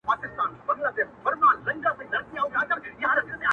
خالقه بيا به له هندارو سره څه کومه~~